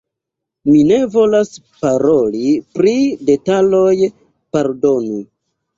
Mi ne volas paroli pri detaloj, pardonu.